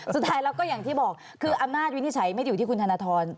สุดท้ายแล้วก็อย่างที่บอกคืออำนาจวินิจฉัยไม่ได้อยู่ที่คุณธนทร